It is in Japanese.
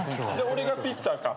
俺がピッチャーか。